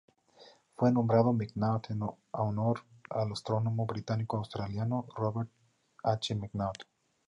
Fue nombrado McNaught en honor al astrónomo británico-australiano Robert H. McNaught.